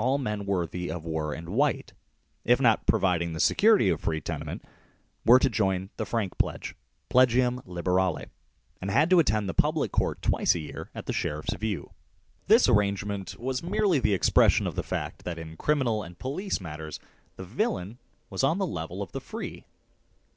39 81 all men worthy of were and wite, 1 if not providing the security of free tenement, were to join the frank pledge 2 ("plegium liberale ") and had to attend the public court twice a year at the sheriff's view. This arrangement was merely the expression of the fact that in criminal and police matters the villain was on the level of the free.